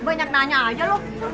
banyak nanya aja loh